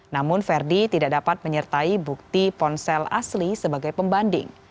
namun verdi tidak dapat menyertai bukti ponsel asli sebagai pembanding